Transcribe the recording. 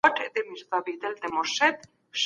د جملو تر منځ منطقي اړیکه ساتل خورا اړین دي.